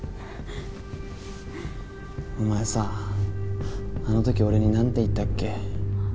お前さあの時俺になんて言ったっけ？